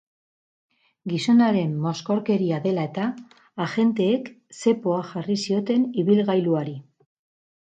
Gizonaren mozkorkeria dela eta, agenteek zepoa jarri zioten ibilgailuari.